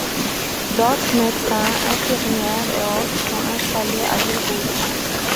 D'autres médecins, infirmiers et autres sont installés à L'Île-Rousse.